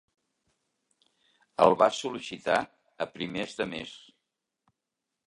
El vas sol·licitar a primers de mes.